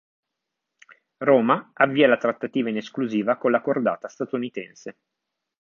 Roma, avvia la trattativa in esclusiva con la cordata statunitense.